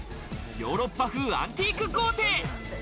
ヨーロッパ風アンティーク豪邸。